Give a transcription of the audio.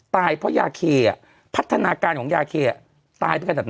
ตายเพราะยาเคพัฒนาการของยาเคตายไปขนาดไหน